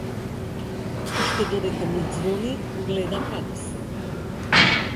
Уште додека ми ѕвони гледа каде сум.